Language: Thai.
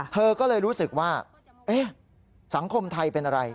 เธอก็เลยรู้สึกว่าเอ๊ะสังคมไทยเป็นอะไร